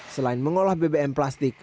selain mengolah bbm plastik